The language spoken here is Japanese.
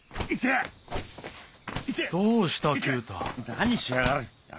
何しやがる！